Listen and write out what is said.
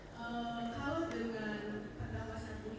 saudara ada penjelasan